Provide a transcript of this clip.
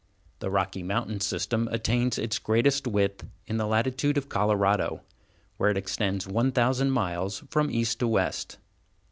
The Rocky Mountain system attains its greatest width in the latitude of Colorado, where it extends one thousand miles from east to west.